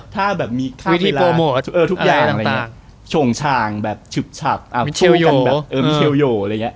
ถ้าแบบมีค่าเวลาทุกอย่างต่างโฉงชางแบบชึบชับมิเชลโย